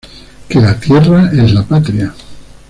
Que la tierra es la patria.